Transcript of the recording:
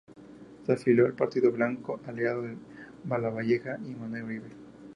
Se afilió al partido blanco, aliado de Lavalleja y Manuel Oribe.